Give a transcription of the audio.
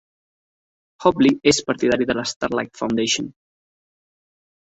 Hobley és partidari de la Starlight Foundation.